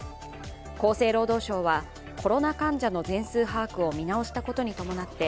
厚生労働省はコロナ患者の全数把握を見直したことに伴って